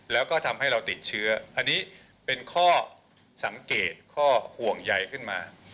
แล้วก็ทำให้เราติดเชื้ออันนี้เป็นข้อสังเกตข้อห่วงใยขึ้นมา